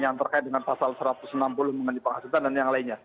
yang terkait dengan pasal satu ratus enam puluh mengenai penghasilan dan yang lainnya